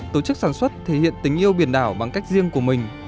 tổ chức sản xuất thể hiện tình yêu biển đảo bằng cách riêng của mình